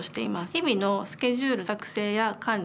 日々のスケジュール作成や管理